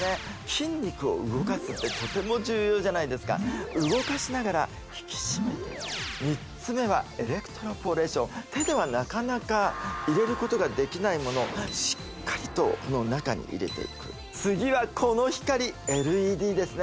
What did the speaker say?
筋肉を動かすってとても重要じゃないですか動かしながら引き締めていく３つ目は手ではなかなか入れることができないものしっかりと中に入れていく次はこの光ＬＥＤですね